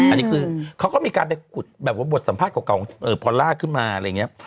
อันนี้คือเขาก็มีการไปขุดแบบว่าบทสัมภาษณ์เก่าพอลล่าขึ้นมาอะไรอย่างนี้